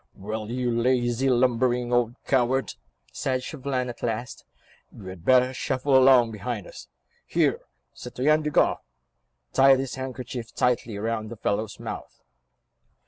"Well, you lazy, lumbering old coward," said Chauvelin at last, "you had better shuffle along behind us. Here, Citoyen Desgas, tie this handkerchief tightly round the fellow's mouth."